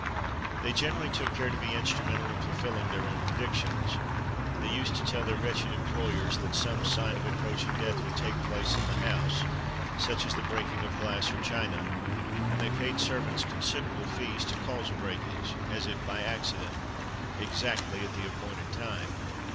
They generally took care to be instrumental in fulfilling their own predictions. They used to tell their wretched employers that some sign of the approaching death would take place in the house, such as the breaking of glass or china; and they paid servants considerable fees to cause a breakage, as if by accident, exactly at the appointed time.